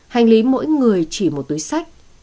hành lý mỗi người chỉ một túi sách